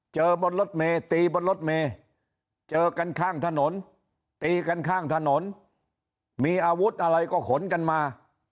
บนรถเมย์ตีบนรถเมย์เจอกันข้างถนนตีกันข้างถนนมีอาวุธอะไรก็ขนกันมา